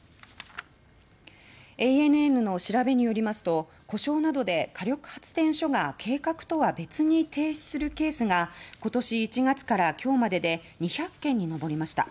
ＡＮＮの調べによりますと故障などで火力発電所が計画とは別に停止するケースが今年１月から今日までで２００件に上りました。